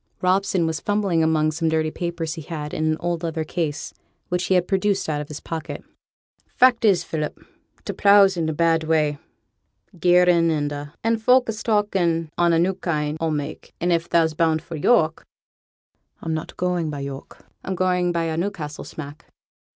Robson was fumbling among some dirty papers he had in an old leather case, which he had produced out of his pocket. 'Fact is, Philip, t' pleugh's in a bad way, gearin' and a', an' folk is talkin' on a new kind o' mak'; and if thou's bound for York ' 'I'm not going by York; I'm going by a Newcastle smack.'